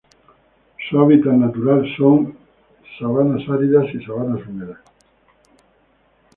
Su hábitat natural son: sabanas áridas y sabanas húmedas.